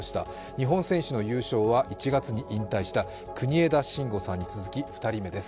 日本選手の優勝は１月に引退した国枝慎吾さんに続き２人目です。